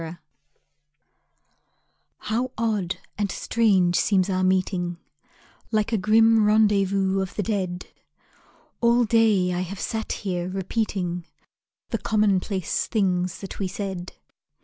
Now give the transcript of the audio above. MET How odd and strange seems our meeting Like a grim rendezvous of the dead. All day I have sat here repeating The commonplace things that we said.